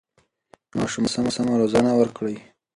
ماشومانو ته سمه روزنه ورکړئ.